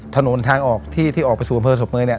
ถนนทางออกที่ที่ออกไปสู่อำเภอศพเมยเนี่ย